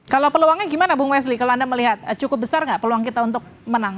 kalau peluangnya gimana bung wesley kalau anda melihat cukup besar nggak peluang kita untuk menang